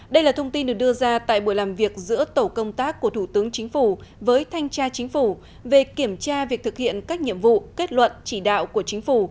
đây là thông tin được đưa ra tại buổi làm việc giữa tổ công tác của thủ tướng chính phủ với thanh tra chính phủ về kiểm tra việc thực hiện các nhiệm vụ kết luận chỉ đạo của chính phủ